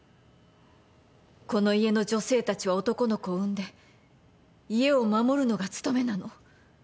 この家の女性たちは男の子を産んで家を守るのが務めなの。